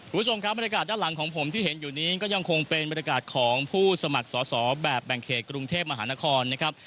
คุณผู้ชมครับบรรยากาศด้านหลังของผมที่เห็นอยู่นี้ก็ยังคงเป็นบรรยากาศของผู้สมัครสอสอแบบแบ่งเขตกรุงเทพมหานครนะครับ